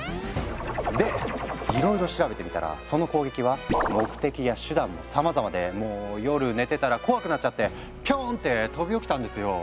でいろいろ調べてみたらその攻撃は目的や手段もさまざまでもう夜寝てたら怖くなっちゃってピョン！って飛び起きたんですよ。